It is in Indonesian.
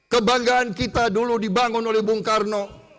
kebanggaan kita dulu dibangun oleh bung karno